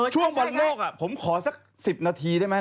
ช่วงบอลโลกผมขอสัก๑๐นาทีได้ไหม